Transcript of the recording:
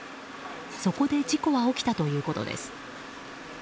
そこで事故は起きたということです。